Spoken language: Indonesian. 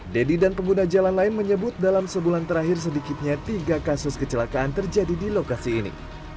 deddy dan pengguna jalan lain menyebut dalam sebulan terakhir sedikitnya tiga kasus kecelakaan terjadi di lokasi ini